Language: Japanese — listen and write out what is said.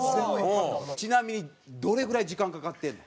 ちなみにどれぐらい時間かかってんの？